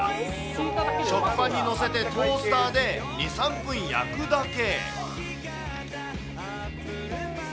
食パンに載せてトースターで２、３分焼くだけ。